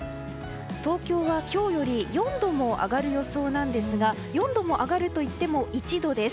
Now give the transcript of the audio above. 東京は今日より４度も上がる予想なんですが４度も上がるといっても１度です。